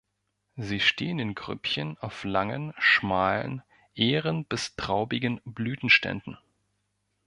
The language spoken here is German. Sie stehen in Grüppchen auf langen, schmalen, ähren- bis traubigen Blütenständen.